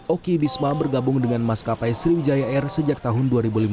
oki bisma bergabung dengan maskapai sriwijaya air sejak tahun dua ribu lima belas